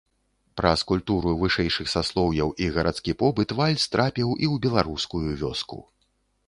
Праз культуру вышэйшых саслоўяў і гарадскі побыт вальс трапіў і ў беларускую вёску.